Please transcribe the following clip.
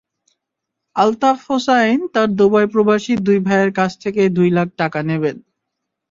আলতাফ হোসাইন তাঁর দুবাইপ্রবাসী দুই ভাইয়ের কাছ থেকে দুই লাখ টাকা নেবেন।